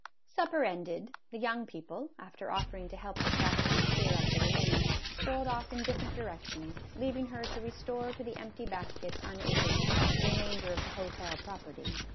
Supper ended, the young people, after offering to help the chaperon clear up the remains, strolled off in different directions, leaving her to restore to the empty baskets unaided, the remainder of the hotel property.